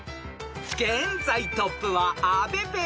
［現在トップは阿部ペア］